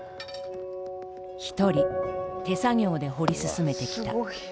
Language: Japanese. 一人手作業で掘り進めてきた。